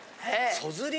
そずり